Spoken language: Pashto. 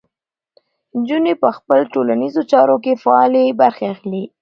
نجونې په خپلو ټولنیزو چارو کې فعالې برخې اخلي.